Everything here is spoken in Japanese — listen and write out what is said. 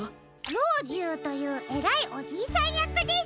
ろうじゅうというえらいおじいさんやくです！